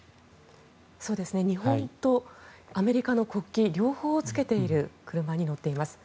日本とアメリカの国旗両方をつけている車に乗っています。